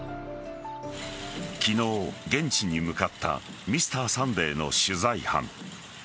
昨日、現地に向かった「Ｍｒ．サンデー」の取材班。